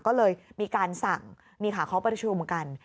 ก็เลยมีการสั่งนี่ค่ะเขาประชุมกัน